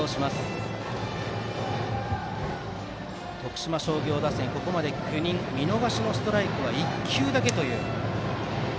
徳島商業打線、ここまで９人見逃しのストライクは１球だけという。